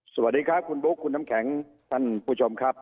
สวัสดีครับคุณบุ๊คคุณน้ำแข็งท่านผู้ชมครับ